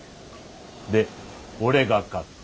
で俺が勝った。